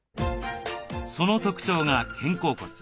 その特徴が肩甲骨。